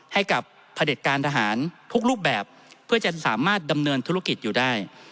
ให้กับพระเด็จการทหารทุกรูปแบบเพื่อจะสามารถดำเนินธุรกิจอยู่ได้